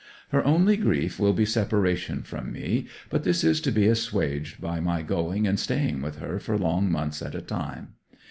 Her only grief will be separation from me, but this is to be assuaged by my going and staying with her for long months at a time.